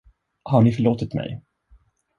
Har ni förlåtit mig?